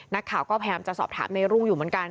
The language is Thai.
นักข่าก็แพรมจะสอบถามในรูกอยู่เหมือนกัน